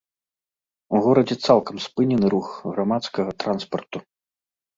У горадзе цалкам спынены рух грамадскага транспарту.